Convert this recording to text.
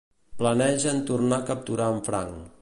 Planegen tornar a capturar en Frank.